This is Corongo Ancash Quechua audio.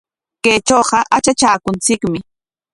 Kaytrawqa atratraakunchikmi .